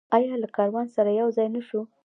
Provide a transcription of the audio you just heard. آیا له کاروان سره یوځای نشو؟